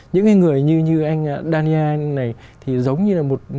những người như anh dani này thì giống như là một